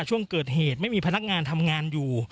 ช่วงเกิดเหตุไม่มีพนักงานทำงานอยู่